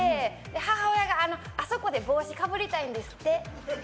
母親があそこで帽子かぶりたいんですって。